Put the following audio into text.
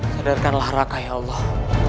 sadarkanlah raka ya allah